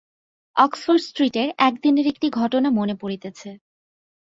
Oxford স্ট্রীটের একদিনের একটি ঘটনা মনে পড়িতেছে।